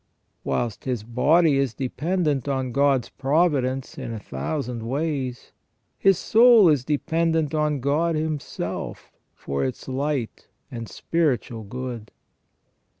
Whilst his body is dependent on God's providence in a thousand ways, his soul is dependent on God Himself for its light and spiritual good.